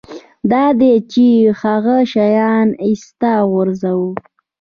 دا ده چې هغه شیان ایسته وغورځوه